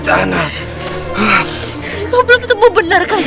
kamu belum sembuh benar kang